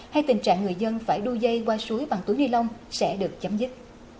hay tình trạng người dân phải đua dây qua suối bằng túi ni lông sẽ được chấm dứt